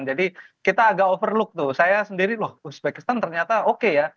jadi kita agak overlook tuh saya sendiri loh uzbekistan ternyata oke ya